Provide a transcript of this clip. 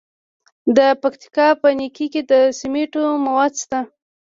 د پکتیکا په نکې کې د سمنټو مواد شته.